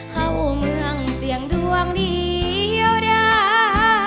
เข้าเมืองเสี่ยงดวงเดียวดา